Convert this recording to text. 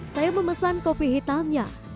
saya memesan kopi hitamnya